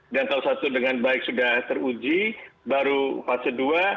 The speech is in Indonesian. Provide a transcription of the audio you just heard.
dan kalau satu dengan baik sudah teruji baru fase dua